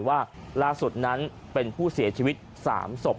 ลายงานล่าสุดนั้นเป็นผู้เสียชีวิตสามศพ